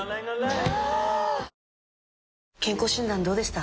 ぷはーっ健康診断どうでした？